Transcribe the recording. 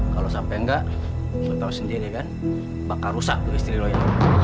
kalau sampe enggak lo tau sendiri kan bakal rusak tuh istri lo ini